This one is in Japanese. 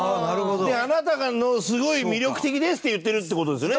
あなたが、すごい魅力的ですって言ってるって事ですよね。